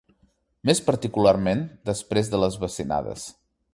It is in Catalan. Més particularment després de les bacinades